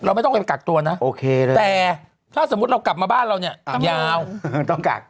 ไม่ต้องไปกักตัวนะโอเคเลยแต่ถ้าสมมุติเรากลับมาบ้านเราเนี่ยยาวต้องกัก